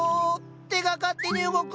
手が勝手に動く。